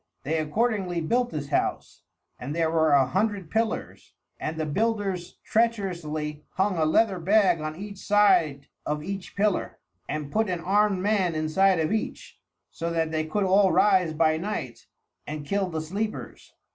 They accordingly built this house, and there were a hundred pillars, and the builders treacherously hung a leathern bag on each side of each pillar and put an armed man inside of each, so that they could all rise by night and kill the sleepers.